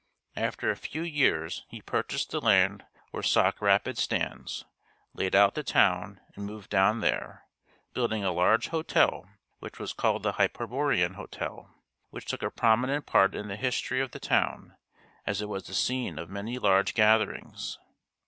After a few years he purchased the land where Sauk Rapids stands, laid out the town and moved down there, building a large hotel which was called the Hyperborean Hotel, which took a prominent part in the history of the town as it was the scene of many large gatherings.